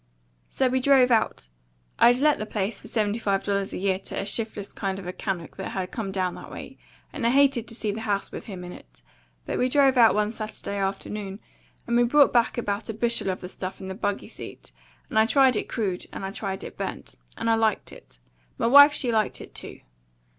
So we drove out. I'd let the place for seventy five dollars a year to a shif'less kind of a Kanuck that had come down that way; and I'd hated to see the house with him in it; but we drove out one Saturday afternoon, and we brought back about a bushel of the stuff in the buggy seat, and I tried it crude, and I tried it burnt; and I liked it. M'wife she liked it too.